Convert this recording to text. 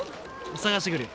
捜してくるよ。